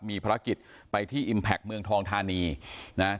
มีภารกิจไปที่อิมแพคเมืองทองทานีนะ